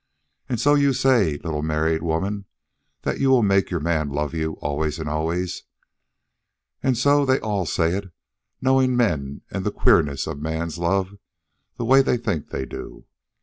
And so you say, little new married woman, that you will make your man love you always and always? And so they all say it, knowing men and the queerness of men's love the way they think they do.